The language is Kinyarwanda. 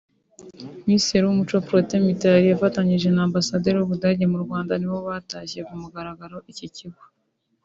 Minisitiri w'umuco Protais Mitali afatanyije na Ambasaderi w’Ubudage mu Rwanda nibo batashye ku mugaragaro iki kigo